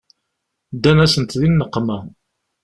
Ddan-asent di nneqma.